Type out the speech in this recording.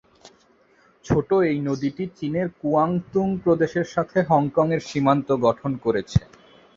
ছোট এই নদীটি চীনের কুয়াংতুং প্রদেশের সাথে হংকংয়ের সীমান্ত গঠন করেছে।